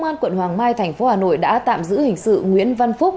công an quận hoàng mai tp hà nội đã tạm giữ hình sự nguyễn văn phúc